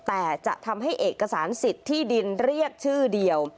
แต่จะทำให้เอกสารสิทธิ์ที่ดินเรียกชื่อเดียว